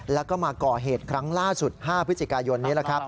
แล้วก็มาก่อเหตุครั้งล่าสุด๕พฤศจิกายนนี้